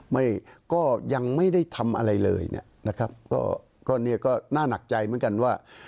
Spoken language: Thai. ไม่ก็ยังไม่ได้ทำอะไรเลยนะครับก็นี่ก็หน้านักใจมากันว่า